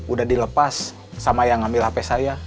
udah dilepas sama yang ambil hape saya